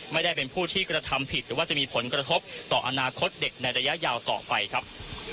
ไม่ได้เป็นผู้ที่กระทำผิดหรือว่าจะมีผลกระทบต่ออนาคตเด็กในระยะยาวต่อไปครับ